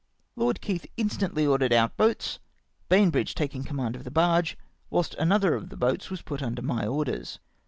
Lord Keith instantly ordered out boats, Bainbridge taking command of the barge, whilst another of the boats was put under my orders.